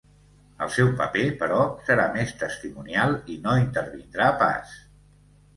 El seu paper, però, serà més testimonial i no hi intervindrà pas.